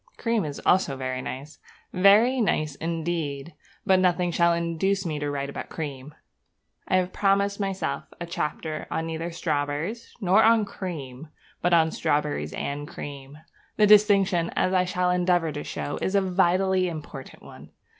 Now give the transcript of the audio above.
Cream is also very nice, very nice indeed; but nothing shall induce me to write about cream. I have promised myself a chapter, neither on strawberries nor on cream, but on strawberries and cream. The distinction, as I shall endeavour to show, is a vitally important one.